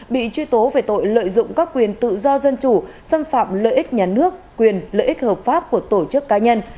bị truy tố về tội lợi dụng các quyền tự do dân chủ xâm phạm lợi ích nhà nước quyền lợi ích hợp pháp của tổ chức cá nhân